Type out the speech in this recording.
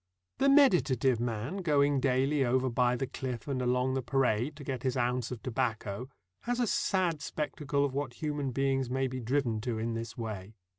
The meditative man going daily over by the cliff and along the parade, to get his ounce of tobacco, has a sad spectacle of what human beings may be driven to in this way.